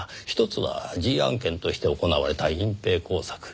ひとつはＧ案件として行われた隠蔽工作。